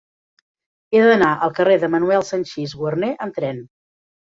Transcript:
He d'anar al carrer de Manuel Sanchis Guarner amb tren.